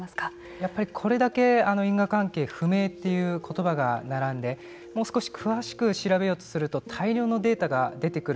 やっぱりこれだけ因果関係不明ということばが並んでもう少し詳しく調べようとすると大量のデータが出てくる。